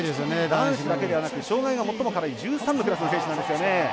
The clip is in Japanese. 男子だけでなく障がいが最も軽い１３のクラスの選手なんですよね。